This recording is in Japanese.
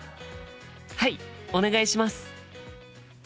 はいお願いします。